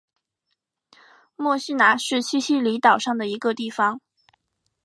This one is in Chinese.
墨西拿是西西里岛上的一个地方。